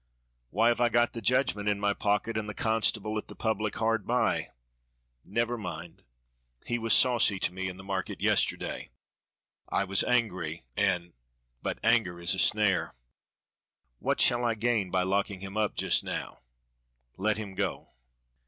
"Why I have got the judgment in my pocket and the constable at the public hard by." "Never mind! he was saucy to me in the market yesterday I was angry and but anger is a snare. What shall I gain by locking him up just now? let him go."